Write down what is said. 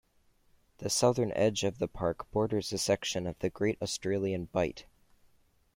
The southern edge of the park borders a section of the Great Australian Bight.